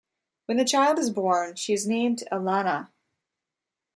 When the child is born, she is named Allana.